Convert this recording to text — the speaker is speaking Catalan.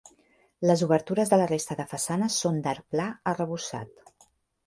Les obertures de la resta de façanes són d'arc pla arrebossat.